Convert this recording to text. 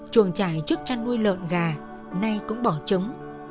chuồng trại trước chăn nuôi lợn gà nay cũng bỏ trống